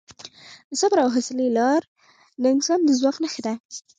د صبر او حوصلې لار د انسان د ځواک نښه ده.